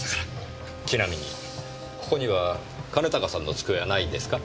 ちなみにここには兼高さんの机はないんですか？